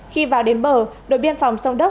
khi vào đến bờ đội biên phòng sông đốc